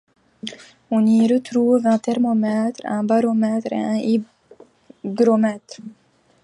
On y retrouve un thermomètre, un baromètre et un hygromètre.